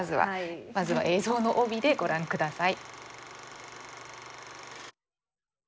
まずは映像の帯でご覧下さい。